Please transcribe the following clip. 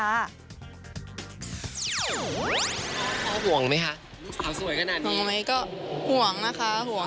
สาวสวยขนาดนี้ห่วงไหมก็ห่วงนะคะห่วง